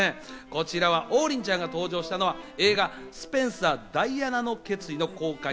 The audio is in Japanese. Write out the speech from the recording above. こちらは王林ちゃんが登場したのは映画『スペンサーダイアナの決意』の公開